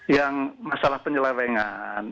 yang masalah penyelewengan